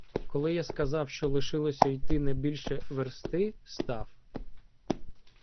Коли я сказав, що лишилося йти не більше версти, став.